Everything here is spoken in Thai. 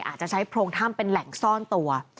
อาจจะใช้โพรงถ้ำเป็นแหล่งซ่อนตัว